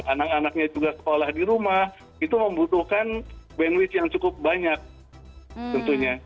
anak anaknya juga sekolah di rumah itu membutuhkan bandwidth yang cukup banyak tentunya